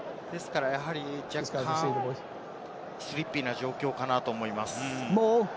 若干、スリッピーな状況かなと思います。